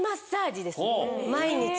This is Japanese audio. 毎日。